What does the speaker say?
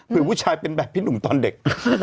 หรือว่าวุชายเป็นแบบพี่หนุ่มตอนเด็ก